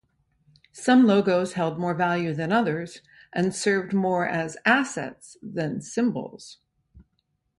Some logos held more value than others, and served more as assets than symbols.